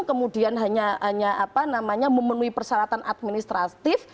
kemudian hanya memenuhi persyaratan administratif